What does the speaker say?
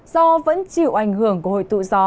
do vẫn chịu ảnh hưởng của hồi tụ gió